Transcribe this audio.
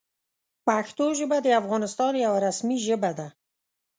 پښتو ژبه د افغانستان یوه رسمي ژبه ده.